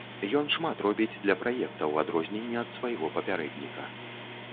Ён шмат робіць для праекта, у адрозненне ад свайго папярэдніка.